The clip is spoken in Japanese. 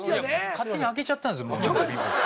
勝手に開けちゃったんです。